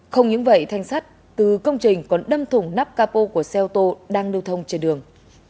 không những vậy thanh sắt từ công trình còn đâm thủng nắp capo của xe ô tô đang lưu thông trên đường